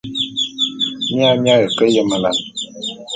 Mia mi aye ke yemelane.